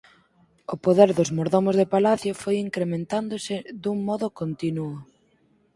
O poder dos mordomos de palacio foi incrementándose dun modo continuo.